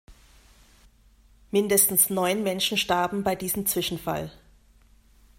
Mindestens neun Menschen starben bei diesem Zwischenfall.